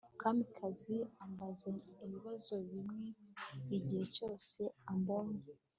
kamanzi ambaza ibibazo bimwe igihe cyose ambonye